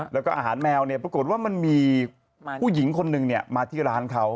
แล้วก็อาหารแมวเนี่ยปรากฏว่ามันมีผู้หญิงคนหนึ่งมาที่ร้านเขา